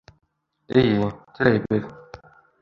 Эйе, теләйбеҙ